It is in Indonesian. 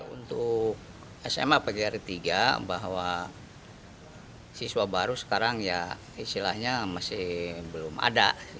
untuk sma pgr tiga bahwa siswa baru sekarang ya istilahnya masih belum ada